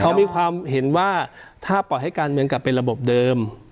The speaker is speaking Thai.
เขามีความเห็นว่าถ้าปล่อยให้การเมืองกลับเป็นระบบเดิม